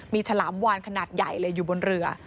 มีฉลามวานขนาดใหญ่เลยอยู่บนเรือ